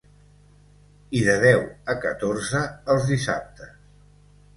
I de deu a catorze els dissabtes.